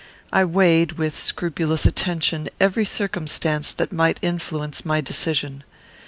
I weighed, with scrupulous attention, every circumstance that might influence my decision.